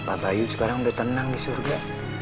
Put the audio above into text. abi papa bayu sekarang udah tenang disurga